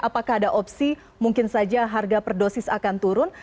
apakah ada opsi mungkin saja harga per dosis akan turun